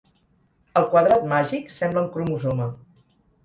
El quadrat màgic sembla un cromosoma.